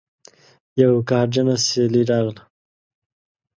یوه قهرجنه سیلۍ راغله